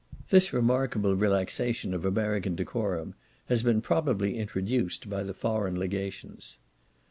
This remarkable relaxation of American decorum has been probably introduced by the foreign legations.